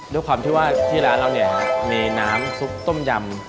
ด้วยความที่ว่าที่ร้านเราเนี่ยมีน้ำซุปต้มยำ